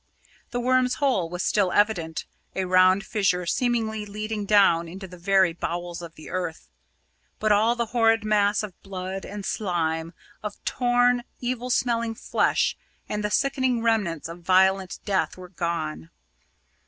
The Worm's hole was still evident, a round fissure seemingly leading down into the very bowels of the earth. But all the horrid mass of blood and slime, of torn, evil smelling flesh and the sickening remnants of violent death, were gone.